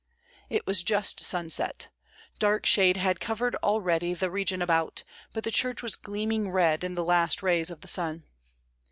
It was just sunset. Dark shade had covered already the region about; but the church was gleaming red in the last rays of the sun.